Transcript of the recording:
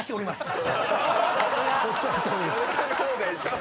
おっしゃるとおりです。